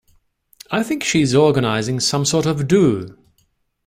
I think she's organising some sort of do.